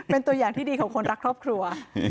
เป็นตัวอย่างที่ดีของคนรักครอบครัว